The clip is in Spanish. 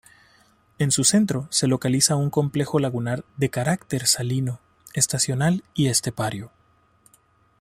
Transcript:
En su centro se localiza un complejo lagunar de carácter salino, estacional y estepario.